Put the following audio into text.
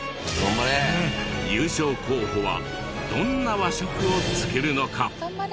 優勝候補はどんな和食を作るのか？